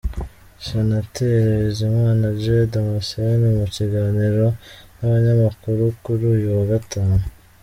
Senateri Bizimana J Damascene mu kiganiro n’abanyamakuru kuri uyu wa gatanu.